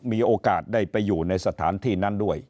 มีโอกาสได้ไปอยู่ในสถานที่นั้นด้วย